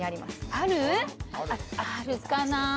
あるかな